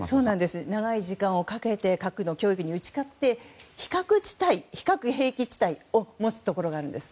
長い時間かけて核の脅威に打ち勝って非核兵器地帯を持つところがあるんです。